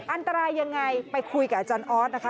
อันตรายยังไงไปคุยกับอาจารย์ออสนะคะ